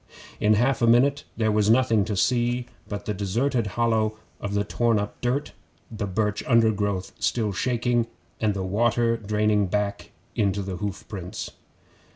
In half a minute there was nothing to see but the deserted hollow of the torn up dirt, the birch undergrowth still shaking, and the water draining back into the hoof prints.